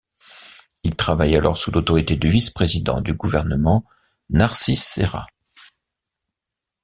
Il travaille alors sous l'autorité du vice-président du gouvernement Narcís Serra.